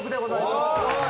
すごい！